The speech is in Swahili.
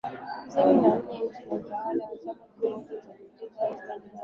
tisini na nne chini ya utawala wa chama kimoja wa dikteta Hastings Kamuzu Banda